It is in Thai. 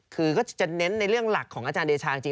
คือก็จะเน้นในเรื่องหลักของอาจารย์เดชาจริง